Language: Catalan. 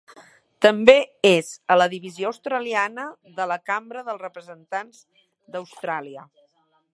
També és a la divisió australiana de la Cambra de Representants d'Austràlia.